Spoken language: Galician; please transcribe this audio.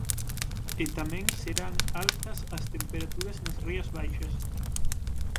E tamén serán altas as temperaturas nas Rías Baixas.